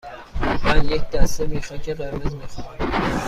من یک دسته میخک قرمز می خواهم.